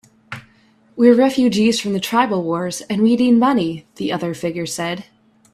"We're refugees from the tribal wars, and we need money," the other figure said.